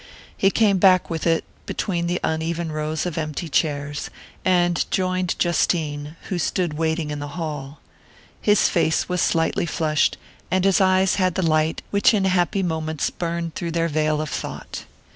He came back with it, between the uneven rows of empty chairs, and joined Justine, who stood waiting in the hall. His face was slightly flushed, and his eyes had the light which in happy moments burned through their veil of thought.